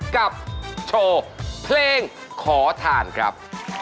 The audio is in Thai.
กับโชว์เพลงขอทานครับ